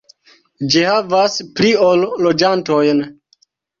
Ĝi havas pli ol loĝantojn.